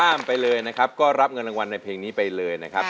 ไปเลยนะครับก็รับเงินรางวัลในเพลงนี้ไปเลยนะครับ